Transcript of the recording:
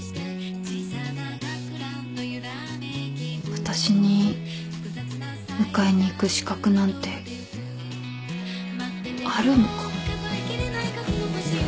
私に迎えに行く資格なんてあるのか？